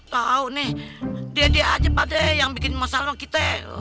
tau nih dia dia cepat deh yang bikin masalah kita